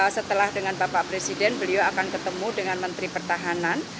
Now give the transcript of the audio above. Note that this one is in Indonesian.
setelah dengan bapak presiden beliau akan ketemu dengan menteri pertahanan